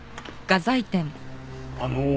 あの。